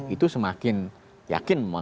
itu semakin yakin